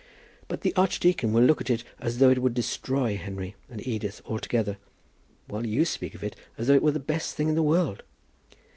"But the archdeacon will look at it as though it would destroy Henry and Edith altogether, while you speak of it as though it were the best thing in the world."